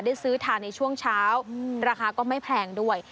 ได้ซื้อทานในช่วงเช้าราคาก็ไม่แพงด้วย